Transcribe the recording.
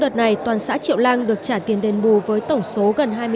quá trình đền bù được trả tiền đền bù với tổng số gần hai mươi chín tỷ đồng